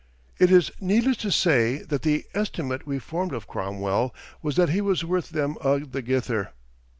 It is needless to say that the estimate we formed of Cromwell was that he was worth them "a' thegither."